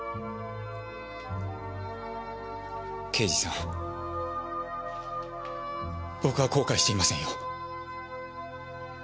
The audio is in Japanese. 刑事さん僕は後悔していませんよ。